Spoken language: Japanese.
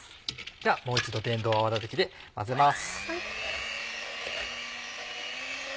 ではもう一度電動泡立て器で混ぜます。